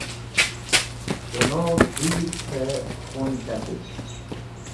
Tẽnov diyit k̃hẽ khun kat̃it.